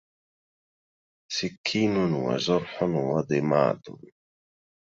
سكينٌ وجرحٌ وضمادُ